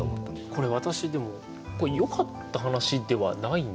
これ私でもよかった話ではないんですか？